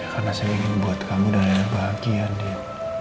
karena saya ingin buat kamu dan reina bahagia din